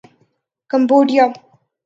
Cambodia